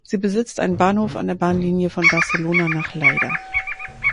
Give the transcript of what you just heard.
Sie besitzt einen Bahnhof an der Bahnlinie von Barcelona nach Lleida.